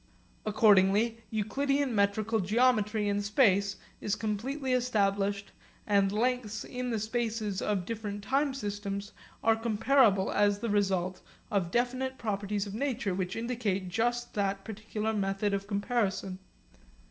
Accordingly Euclidean metrical geometry in space is completely established and lengths in the spaces of different time systems are comparable as the result of definite properties of nature which indicate just that particular method of comparison.